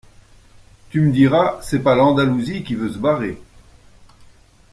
Tu me diras c’est pas l’Andalousie qui veut se barrer,